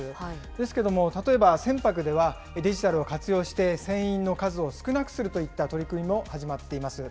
ですけれども、例えば船舶では、デジタルを活用して船員の数を少なくするといった取り組みも始まっています。